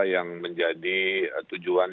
yang menjadi tujuan